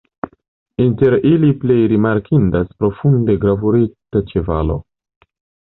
Inter ili plej rimarkindas profunde gravurita ĉevalo.